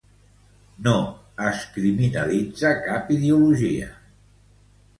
No es criminalitza cap ideologia.